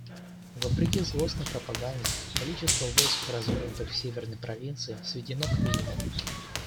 Вопреки злостной пропаганде, количество войск, развернутых в Северной провинции, сведено к минимуму.